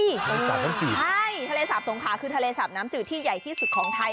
น้ำจืดสาบน้ำจืดใช่ทะเลสาบสงขลาคือทะเลสาบน้ำจืดที่ใหญ่ที่สุดของไทย